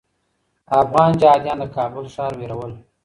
افغان جهاديان د کابل ښار ویرول.